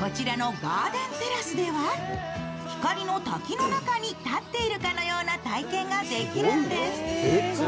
こちらのガーデンテラスでは、光の滝の中に立っているかのような体験ができるんです。